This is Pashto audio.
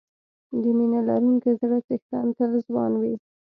د مینه لرونکي زړه څښتن تل ځوان وي.